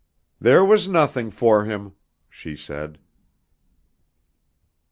"There was nothing for him," she said.